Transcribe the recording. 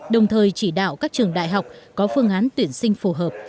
đồng thời chỉ đạo các trường đại học có phương án tuyển sinh phù hợp